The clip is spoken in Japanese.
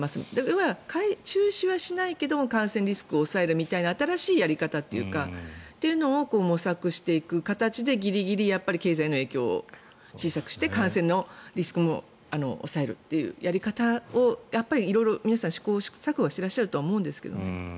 要は中止はしないけど感染リスクを抑えるみたいな新しいやり方というかそういうのを模索していく形でギリギリ経済の影響を小さくして感染のリスクも抑えるというやり方を色々皆さん試行錯誤していらっしゃるとは思うんですけどね。